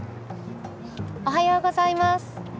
おはようございます。